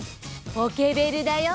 ポケベルだよ。